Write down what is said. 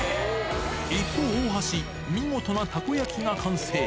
一方、大橋、見事なたこ焼きが完成。